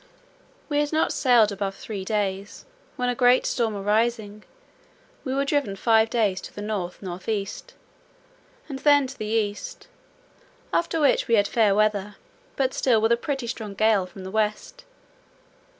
We had not sailed above three days, when a great storm arising, we were driven five days to the north north east, and then to the east: after which we had fair weather, but still with a pretty strong gale from the west.